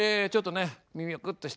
耳をくっとして。